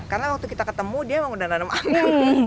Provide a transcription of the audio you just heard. karena waktu kita ketemu dia memang sudah menanam anggur